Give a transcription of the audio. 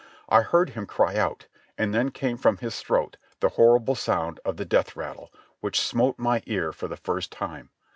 I heard him cry out, and then came from his throat the horrible sound of the death rattle, which smote my ear for the first time.